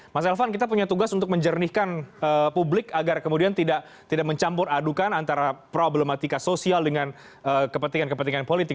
mas elvan kita punya tugas untuk menjernihkan publik agar kemudian tidak mencampur adukan antara problematika sosial dengan kepentingan kepentingan politik